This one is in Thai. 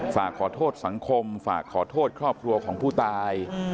ฝากขอโทษสังคมฝากขอโทษครอบครัวของผู้ตาย